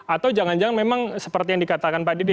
atau jangan jangan memang seperti yang dikatakan pak didi